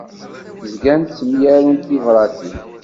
Zgant ttemyarunt tibratin.